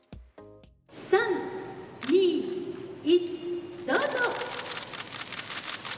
３、２、１、どうぞ！